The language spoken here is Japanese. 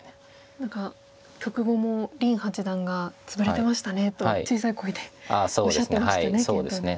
何か局後も林八段が「ツブれてましたね」と小さい声でおっしゃってましたね検討で。